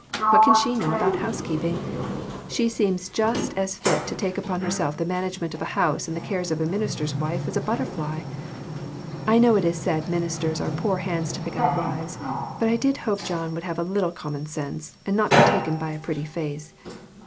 What can she know about housekeeping ? She seems just about as fit to take upon herself the manage ment of a house and the cares of a minister's wife as a butterfly. I know it is said ministers are poor hands to pick out wives, but I did hope John would have a little common sense, and not be taken by a pretty face.